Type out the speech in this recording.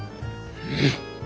うん。